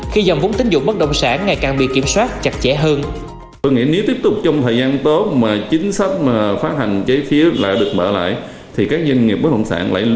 khi dòng vốn tín dụng bất động sản ngày càng bị kiểm soát chặt chẽ hơn